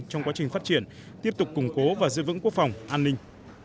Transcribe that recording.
trong quá trình phát triển tiếp tục củng cố và giữ vững quốc phòng an ninh